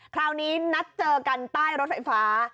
คราวนี้นัดเจอกันใต้รถไฟฟ้า